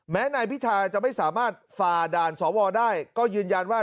นายพิธาจะไม่สามารถฝ่าด่านสวได้ก็ยืนยันว่า